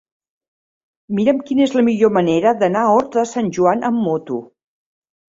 Mira'm quina és la millor manera d'anar a Horta de Sant Joan amb moto.